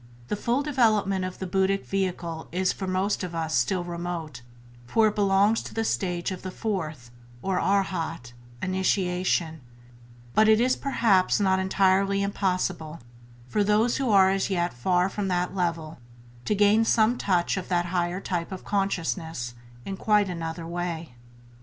The full development of the buddhic vehicle is for most of us still remote, for it belongs to the stage of the Fourth, or Arhat, Initiation; but it is perhaps not entirely impossible for those who are as yet far from that level to gain some touch of that higher type of consciousness in quite another way.